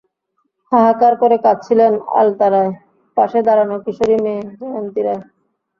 হাহাকার করে কাঁদছিলেন আলতা রায়, পাশে দাঁড়ানো কিশোরী মেয়ে জয়ন্তী রায়।